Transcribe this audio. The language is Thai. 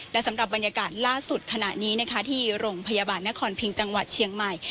และสำหรับบรรยากาศล่าสุดขณะนี้นะคะที่โรงพยาบาลนครพิงจังหวัดเชียงใหม่